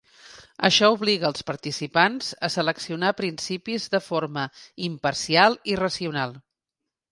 Això obliga els participants a seleccionar principis de forma imparcial i racional.